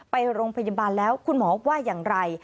ไปโรงพยาบาลแล้วคุณหมอว่าอย่างไร